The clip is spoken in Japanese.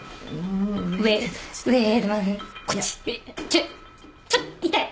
ちょっちょっ痛い。